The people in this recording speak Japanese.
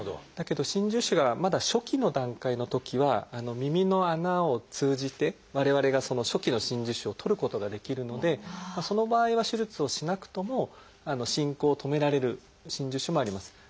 だけど真珠腫がまだ初期の段階のときは耳の穴を通じて我々がその初期の真珠腫を取ることができるのでその場合は手術をしなくとも進行を止められる真珠腫もあります。